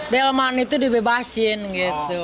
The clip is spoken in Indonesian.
delman itu dibebasin gitu